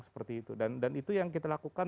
seperti itu dan itu yang kita lakukan